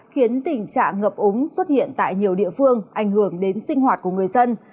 khiến tình trạng ngập úng xuất hiện tại nhiều địa phương ảnh hưởng đến sinh hoạt của người dân